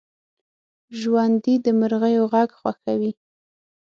ژوندي د مرغیو غږ خوښوي